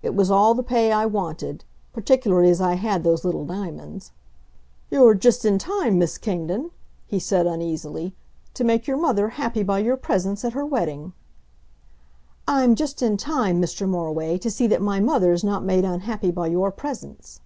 It was all the pay I wanted particularly as I had those little diamonds. "You're just in time, Miss Kingdon," he said uneasily, "to make your mother happy by your presence at her wedding." "I'm just in time, Mr. Moriway, to see that my mother's not made unhappy by your presence."